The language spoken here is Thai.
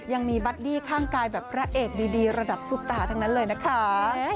ยังมีบัดดี้ข้างกายแบบพระเอกดีระดับซุปตาทั้งนั้นเลยนะคะ